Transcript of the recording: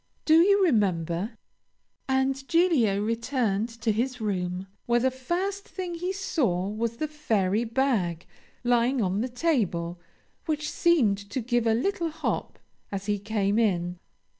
Do you remember? "And Giglio returned to his room, where the first thing he saw was the fairy bag lying on the table, which seemed to give a little hop as he came in.